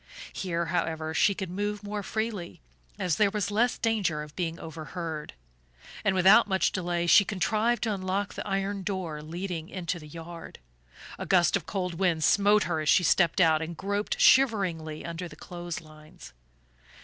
Here, however, she could move more freely, as there was less danger of being overheard; and without much delay she contrived to unlock the iron door leading into the yard. A gust of cold wind smote her as she stepped out and groped shiveringly under the clothes lines.